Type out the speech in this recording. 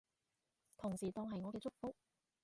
同時當係我嘅祝福